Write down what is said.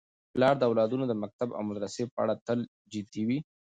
پلار د اولادونو د مکتب او مدرسې په اړه تل جدي وي.